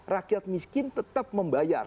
rakyat miskin tetap membayar